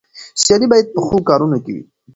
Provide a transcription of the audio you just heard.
سيالي بايد په ښو کارونو کې وي.